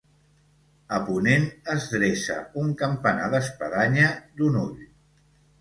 A ponent es dreça un campanar d'espadanya, d'un ull.